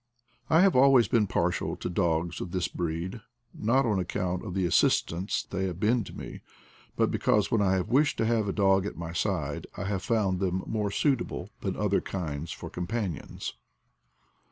I have always been partial to dogs of this breed ; not on account of the assistance they have been to me, but because when I have wished to have a dog at my side I have found them more suitable than other kinds for companions.